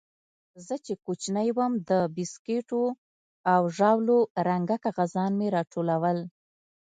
زه چې کوچنى وم د بيسکوټو او ژاولو رنګه کاغذان مې راټولول.